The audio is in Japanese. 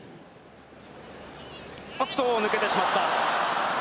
おっと、抜けてしまった。